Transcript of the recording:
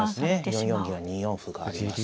４四銀や２四歩があります。